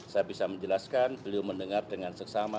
saya bisa menjelaskan beliau mendengar dengan seksama